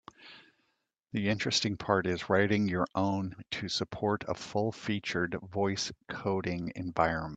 The interesting part is writing your own to support a full-featured voice coding environment.